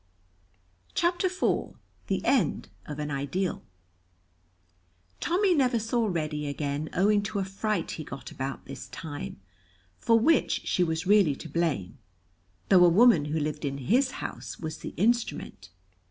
CHAPTER IV THE END OF AN IDYLL Tommy never saw Reddy again owing to a fright he got about this time, for which she was really to blame, though a woman who lived in his house was the instrument.